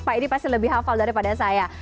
pak ini pasti lebih hafal daripada saya